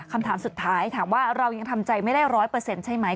คำถามสุดท้ายถามว่าเรายังทำใจไม่ได้๑๐๐ใช่ไหม